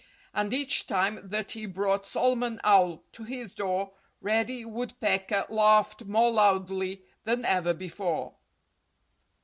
And each time that he brought Solomon Owl to his door Reddy Woodpecker laughed more loudly than ever before.